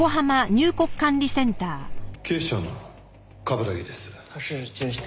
警視庁の冠城です。